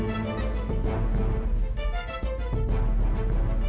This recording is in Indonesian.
andre kau kemana